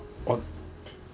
あっ。